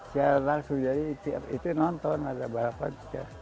saya langsung jadi tiap itu nonton ada balapan